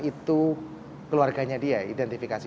itu keluarganya dia identifikasi